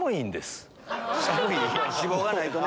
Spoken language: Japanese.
脂肪がないとね。